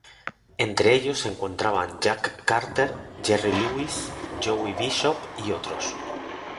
Entre ellos se encontraban Jack Carter, Jerry Lewis, Joey Bishop y otros.